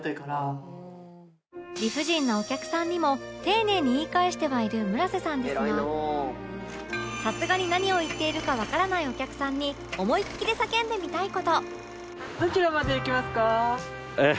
理不尽なお客さんにも丁寧に言い返してはいる村瀬さんですがさすがに何を言っているかわからないお客さんに思いっきり叫んでみたい事